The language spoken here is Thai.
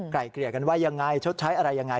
เกลี่ยกันว่ายังไงชดใช้อะไรยังไง